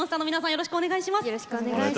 よろしくお願いします。